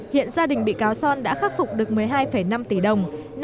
hiện gia đình bị cáo son đã khắc phục được một mươi hai năm tỷ đồng